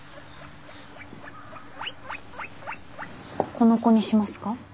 この子にしますか？